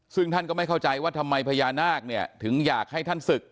ซึ่งท่านก็ไม่เข้าใจว่าทำไมพญานาคเนี่ยถึงอยากให้ท่านศึก